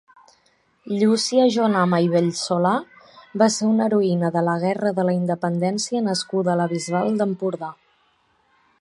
Llúcia Jonama i Bellsolà va ser una heroïna de la Guerra de la Independència nascuda a la Bisbal d'Empordà.